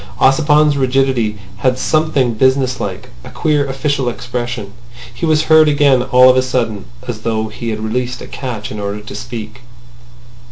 Ossipon's rigidity had something business like, a queer official expression. He was heard again all of a sudden, as though he had released a catch in order to speak.